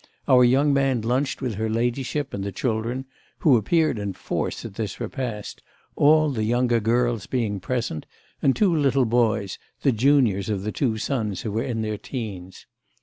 Our young man lunched with her ladyship and the children, who appeared in force at this repast, all the younger girls being present, and two little boys, the juniors of the two sons who were in their teens.